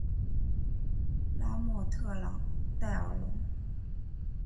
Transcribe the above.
拉莫特朗代尔龙。